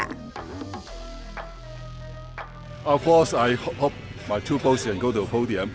tentu saja saya berharap kedua bola saya bisa ke podium